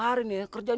hari ini aurang